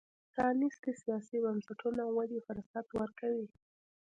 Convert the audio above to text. پرانیستي سیاسي بنسټونه ودې فرصت ورکوي.